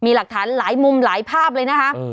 มีหลักฐานหลายมุมหลายภาพเลยนะคะ